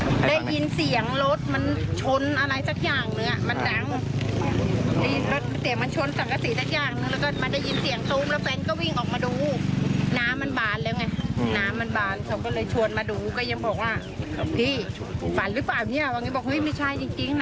มันเป็นลอยมาเลยพี่หมอมันเป็นลอยมาเลย